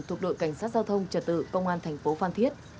thuộc đội cảnh sát giao thông trật tự công an thành phố phan thiết